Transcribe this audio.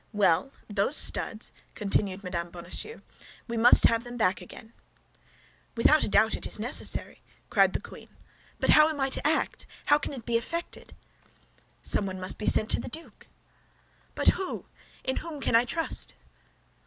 "Well, those studs," continued Mme. Bonacieux, "we must have them back again." "Yes, without doubt, it is necessary," cried the queen; "but how am I to act? How can it be effected?" "Someone must be sent to the duke." "But who, who? In whom can I trust?"